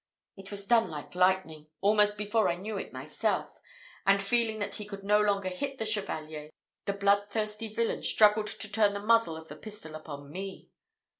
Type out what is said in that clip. It was done like lightning almost before I knew it myself, and feeling that he could no longer hit the Chevalier, the bloodthirsty villain struggled to turn the muzzle of the pistol upon me.